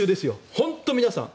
本当に皆さん。